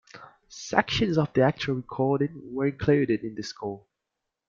Sections of the actual recording were included in the score.